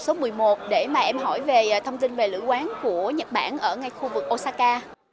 đó là mục số một mươi một để mà em hỏi về thông tin về lữ quán của nhật bản ở ngay khu vực osaka